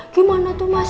gimana tuh mas